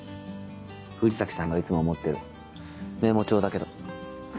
藤崎さんがいつも持ってるメモ帳だけど。